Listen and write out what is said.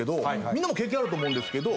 みんなも経験あると思うんですけど。